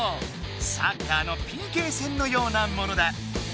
サッカーのＰＫ戦のようなものだ。